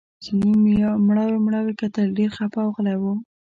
چیني مړاوي مړاوي کتل ډېر خپه او غلی و.